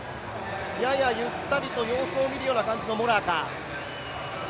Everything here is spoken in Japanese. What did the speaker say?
ややゆったりと様子を見る感じのモラアか。